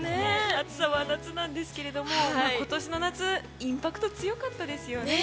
暑さは夏なんですが今年の夏インパクト強かったですよね。